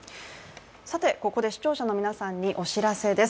ここで視聴者の皆さんにお知らせです。